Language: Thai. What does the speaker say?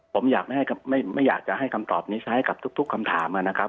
ผมอยากจะให้คำตอบนี้ใช้กับทุกคำถามนะครับ